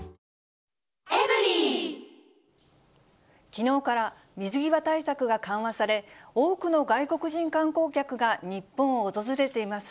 きのうから水際対策が緩和され、多くの外国人観光客が日本を訪れています。